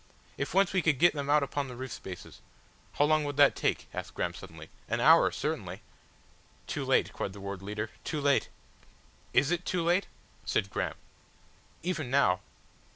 If once we could get them out upon the roof spaces." "How long would that take?" asked Graham suddenly. "An hour certainly." "Too late," cried the Ward Leader, "too late." "Is it too late?" said Graham. "Even now